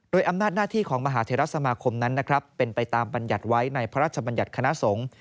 โดยอำนาจหน้าที่ของมหาเทราสมาคมนั้นนะครับเป็นไปตามบรรยัติไว้ในพระราชบัญญัติคณะสงฆ์